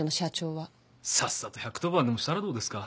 さっさと１１０番でもしたらどうですか？